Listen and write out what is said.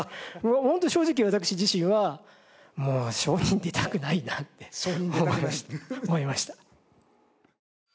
ホントに正直私自身はもう証人出たくないなって思いました。